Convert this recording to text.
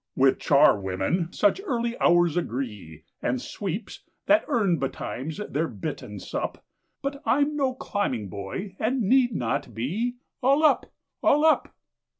With charwomen such early hours agree, And sweeps, that earn betimes their bit and sup; But I'm no climbing boy, and need not be "All up all up!"